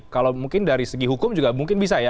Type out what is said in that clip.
kalau mungkin dari segi hukum juga mungkin bisa ya